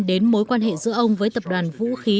đến mối quan hệ giữa ông với tập đoàn vũ khí